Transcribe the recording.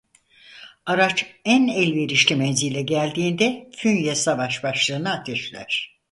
Araç en elverişli menzile geldiğinde fünye savaş başlığını ateşler.